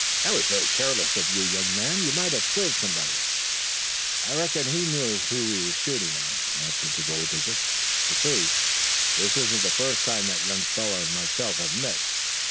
That was very careless of you, young man. You might have killed someone." "I reckon he knew whom he was shooting at," answered the gold digger. "You see, this isn't the first time that young fellow and myself have met."